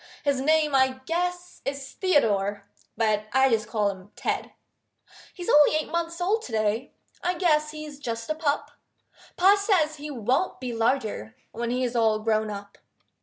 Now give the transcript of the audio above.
His name I guess is Theodore, But I just call him Ted. He's only eight months old to day I guess he's just a pup; Pa says he won't be larger When he is all grown up.